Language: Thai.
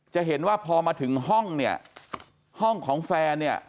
จะเห็นว่าพอมาถึงห้องเนี่ยห้องของแฟนเนี่ย